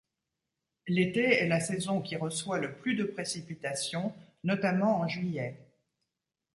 L'été est la saison qui reçoit le plus de précipitations, notamment en juillet.